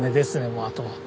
もうあとは。